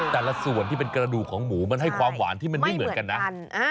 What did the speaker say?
แต่ละส่วนที่เป็นกระดูกของหมูมันให้ความหวานที่มันไม่เหมือนกันนะ